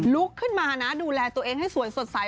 ลุกขึ้นมานะดูแลตัวเองให้สวยสดใส